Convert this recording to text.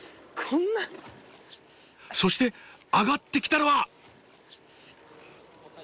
そして上がってきたのは。